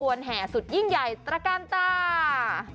ส่วนแห่สุดยิ่งใหญ่ตระกันต้า